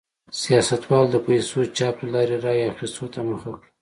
سیاستوالو د پیسو چاپ له لارې رایو اخیستو ته مخه کړه.